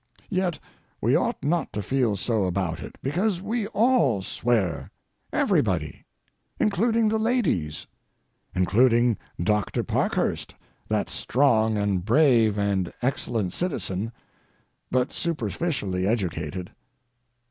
Yet we ought not to feel so about it, because we all swear—everybody. Including the ladies. Including Doctor Parkhurst, that strong and brave and excellent citizen, but superficially educated.